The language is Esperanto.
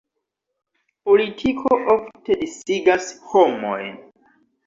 Politiko ofte disigas homojn.